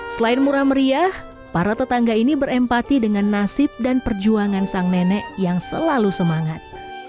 selain murah meriah para tetangga ini berempati dengan nasib dan perjuangan sang nenek yang selalu semangat